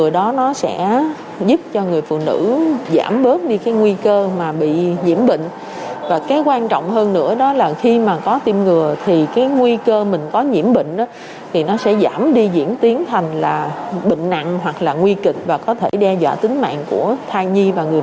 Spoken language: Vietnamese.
đó là cứu sống cả mẹ lẫn con